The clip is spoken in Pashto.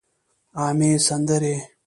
عامې سندرې